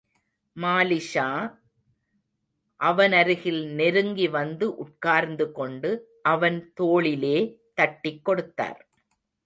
மாலிக்ஷா அவனருகில் நெருங்கி வந்து உட்கார்ந்து கொண்டு அவன் தோளிலே தட்டிக் கொடுத்தார்.